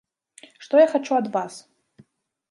Што я хачу ад вас?